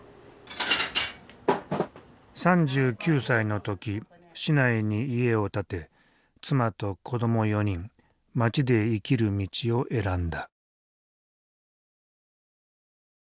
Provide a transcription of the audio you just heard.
３９歳の時市内に家を建て妻と子ども４人町で生きる道を選んだ。